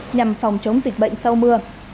nhằm phòng chống dịch bệnh sau mưa